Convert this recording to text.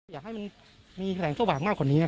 อยากให้มีแหล่งต้นหวังมากกว่านี้